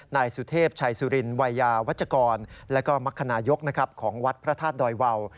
นายสุเทพชัยสุรินวัยยาวัชกรและก็มรคนายกของวัดพระธาตุดอยวาว